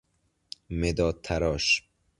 مداد تراش